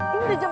ini udah jam